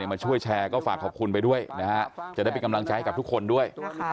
มาช่วยแชร์ก็ฝากขอบคุณไปด้วยนะฮะจะได้เป็นกำลังใจให้กับทุกคนด้วย